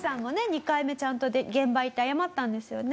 ２回目ちゃんと現場行って謝ったんですよね。